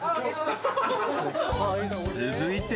［続いて］